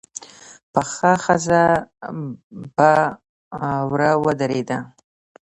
پخه ښځه په وره ودرېده.